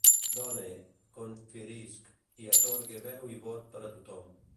Done, conferisc i atorgue veu i vot per a tothom.